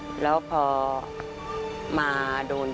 ทำไมเราต้องเป็นแบบเสียเงินอะไรขนาดนี้เวรกรรมอะไรนักหนา